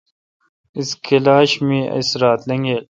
اس کلاش می اس رات لیگلا۔